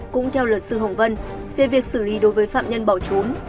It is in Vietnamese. cũng theo luật sư hồng vân về việc xử lý đối với phạm nhân bỏ trốn